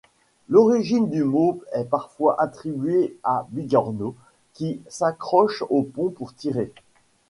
L'origine du mot est parfois attribuée à bigorneau, qui s'accroche au pont pour tirer.